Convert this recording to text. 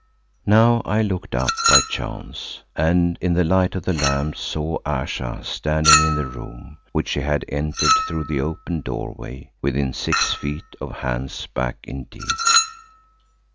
Now I looked up by chance and in the light of the lamps saw Ayesha standing in the room, which she had entered through the open doorway, within six feet of Hans' back indeed.